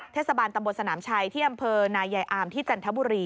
เทศบาลตำบลสนามชัยที่อำเภอนายายอามที่จันทบุรี